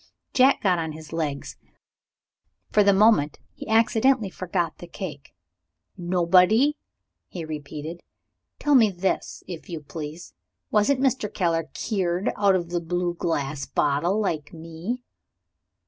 Jack got on his legs. For the moment he actually forgot the cake. "Nobody?" he repeated. "Tell me this, if you please: Wasn't Mr. Keller cured out of the blue glass bottle like me?"